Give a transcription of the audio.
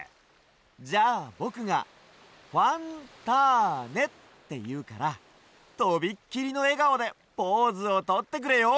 じゃあぼくが「ファンターネ」っていうからとびっきりのえがおでポーズをとってくれよ。